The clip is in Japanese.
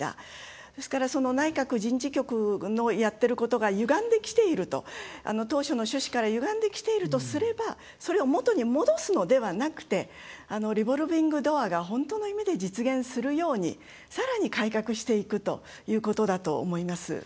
ですから、内閣人事局のやってることがゆがんできていると。当初の趣旨からゆがんできているとすればそれを元に戻すのではなくてリボルビングドアが本当の意味で実現するように、さらに改革していくということだと思います。